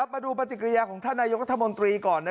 มาดูปฏิกิริยาของท่านนายกรัฐมนตรีก่อน